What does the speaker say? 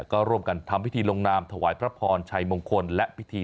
ก็ร่วมกันทำพิธีลงนามถวายพระพรชัยมงคลและพิธี